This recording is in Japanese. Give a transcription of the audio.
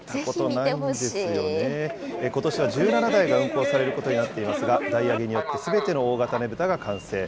ことしは１７台が運行されることになっていますが、台上げによってすべての大型ねぶたが完成。